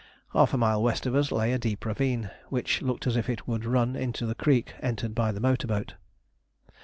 Half a mile west of us lay a deep ravine, which looked as if it would run into the creek entered by the motor boat.